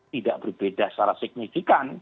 tidak berbeda secara signifikan